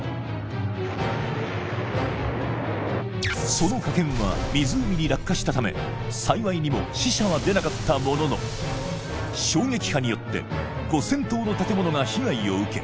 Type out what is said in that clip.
その破片は湖に落下したため幸いにも死者は出なかったものの衝撃波によって５０００棟の建物が被害を受け